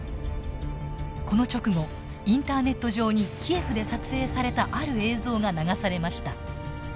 この直後インターネット上にキエフで撮影されたある映像が流されました。